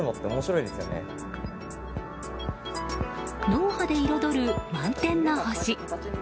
脳波で彩る満天の星。